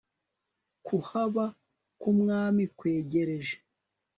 kuhaba k Umwami kwegereje